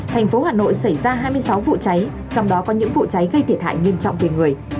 thành phố hà nội xảy ra hai mươi sáu vụ cháy trong đó có những vụ cháy gây thiệt hại nghiêm trọng về người